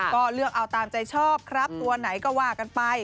ก็เลือกเอาตามใจชอบครับตัวไหนก็ว่ากันไป